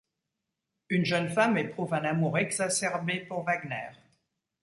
Une jeune femme éprouve un amour exacerbé pour Wagner.